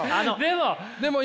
でも。